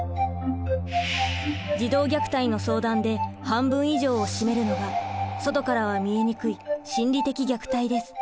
児童虐待の相談で半分以上を占めるのが外からは見えにくい心理的虐待です。